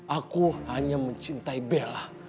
aku hanya mencintai bella